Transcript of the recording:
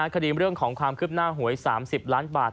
คดีเรื่องของความคืบหน้าหวย๓๐ล้านบาท